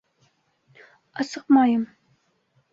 Асыҡмайым.